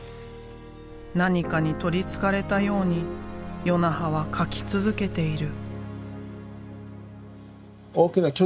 何かにとりつかれたように与那覇は描き続けている。